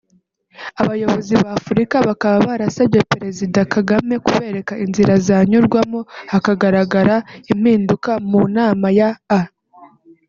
Abayobozi ba Afurika bakaba barasabye perezida Kagame kubereka inzira zanyurwamo hakagaragara impinduka mu nama ya A